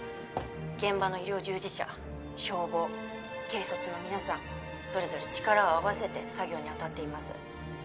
現場の医療従事者消防警察の皆さんそれぞれ力を合わせて作業に当たっています。